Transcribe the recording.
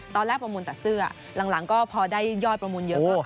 ตอนแรกประมูลตัดเสื้อหลังก็พอได้ยอดประมูลเยอะ